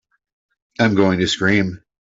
I'm going to scream!